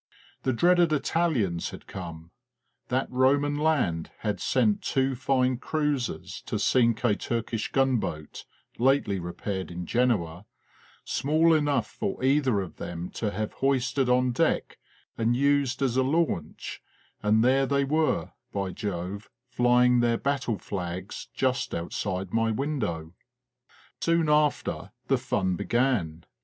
The dreaded Italians had come. That Roman land had sent two fine cruisers to sink a Turkish gunboat (lately repaired in Genoa) small enough for either of them to have hoisted on deck and used as a launch, and there they were, by Jove, flying their battle flags just outside my window ! Soon after, the fun began.